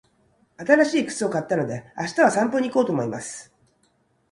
新しい靴を買ったので、明日は散歩に行こうと思います。